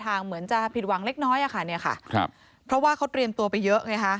เหมือนจะผิดหวังเล็กน้อยอะค่ะเนี่ยค่ะครับเพราะว่าเขาเตรียมตัวไปเยอะไงฮะ